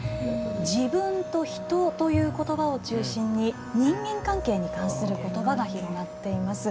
「自分」と「人」という言葉を中心に人間関係に関する言葉が広がっています。